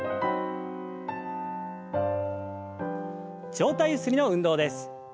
上体ゆすりの運動です。